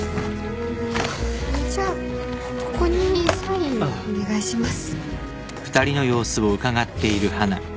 じゃあここにサインをお願いします。